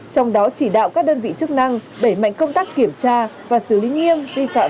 trong đó chỉ đạo các đơn vị chức năng đẩy mạnh công tác kiểm tra và xử lý nghiêm vi phạm